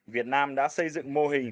việt nam đã xây dựng mô hình